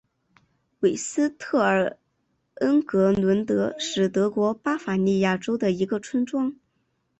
韦斯特尔恩格伦德是德国巴伐利亚州的一个村庄。